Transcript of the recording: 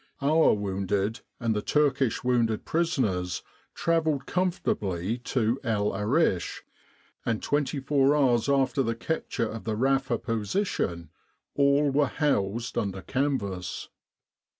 Our wounded and the Turkish wounded prisoners travelled comfortably to El Arish, and 24 hours after the capture of the Rafa position, all were housed under canvas."